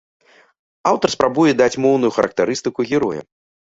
Аўтар спрабуе даць моўную характарыстыку героям.